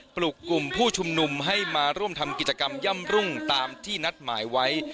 กลุ่มผู้ชุมนุมให้มาร่วมทำกิจกรรมย่ำรุ่งตามที่นัดหมายไว้